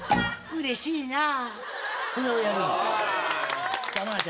うれしいなぁ。